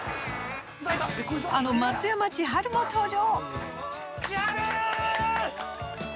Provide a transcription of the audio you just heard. あの松山千春も登場。